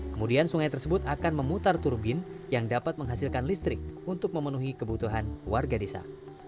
kemudian sungai tersebut akan memutar turbin yang dapat menghasilkan listrik untuk memenuhi kebutuhan warga desa